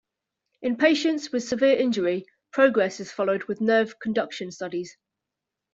In patients with severe injury, progress is followed with nerve conduction studies.